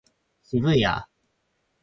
渋谷